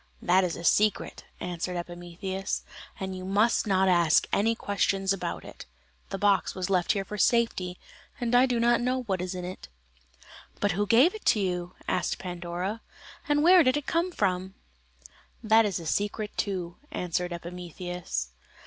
"That is a secret," answered Epimetheus, "and you must not ask any questions about it; the box was left here for safety, and I do not know what is in it." "But who gave it you?" asked Pandora, "and where did it come from?" "That is a secret too," answered Epimetheus.